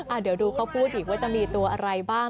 เดี๋ยวดูเขาพูดอีกว่าจะมีตัวอะไรบ้าง